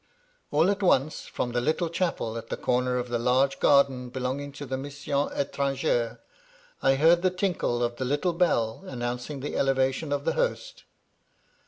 All at once, from the little chapel at the comer of the large garden belonging to the Missions Etrangeres, I heard the tinkle of the little bell, announcing the elevation of the host.